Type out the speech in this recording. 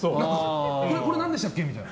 これ何でしたっけ？みたいな。